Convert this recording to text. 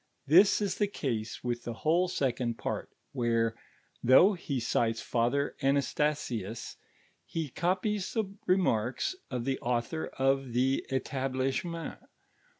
This Ih the ease with the whole second ])art, where, though he cites Father Anastnsius, he copies the renuirks of the author of the Ktithlmnncnt.